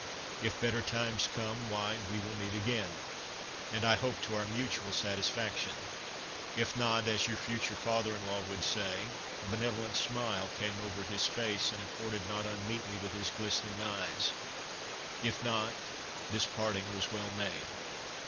If better times come, why we will meet again, and I hope to our mutual satisfaction. If not, as your future father in law would say," (a benevolent smile came over his face, and accorded not unmeetly with his glistening eyes,)—"If not, this parting was well made."